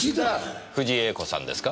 藤井詠子さんですか？